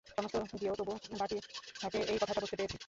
সমস্ত গিয়েও তবু বাকি থাকে এই কথাটা বুঝতে পেরেছি।